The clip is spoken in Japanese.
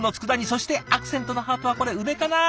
そしてアクセントのハートはこれ梅かな。